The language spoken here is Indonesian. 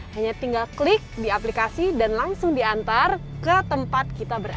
hanya tinggal klik di aplikasi dan langsung diantar ke tempat kita berada